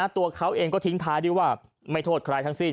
ตัวเขาเองก็ทิ้งท้ายด้วยว่าไม่โทษใครทั้งสิ้น